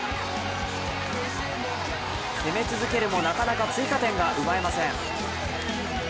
攻め続けるもなかなか追加点が奪えません。